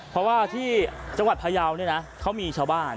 เพราะว่าที่จังหวัดพยาวเขามีชาวบ้าน